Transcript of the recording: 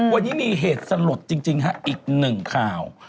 วันนี้มีเหตุสลดจริงฮะอีกหนึ่งข่าว